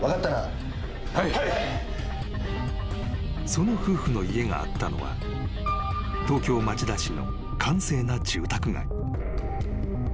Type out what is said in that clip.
［その夫婦の家があったのは東京町田市の閑静な住宅街］